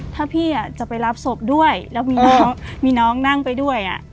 ถ้าพี่จะไปรับศพด้วยแล้วมีน้องมีน้องนั่งไปด้วย